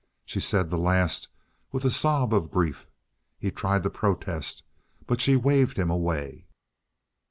She said the last with a sob of grief. He tried to protest, but she waved him away.